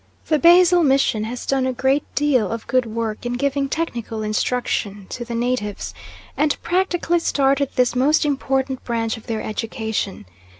The Basel Mission has done a great deal of good work in giving technical instruction to the natives, and practically started this most important branch of their education.